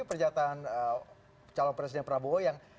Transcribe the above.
pernyataan calon presiden prabowo yang